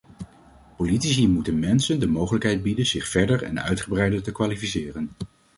Politici moeten mensen de mogelijkheid bieden zich verder en uitgebreider te kwalificeren.